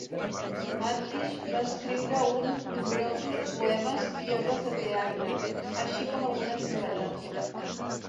Markish va escriure un nombrosos poemes i obres de teatre, així com algunes novel·les.